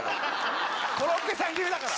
コロッケさん流だから。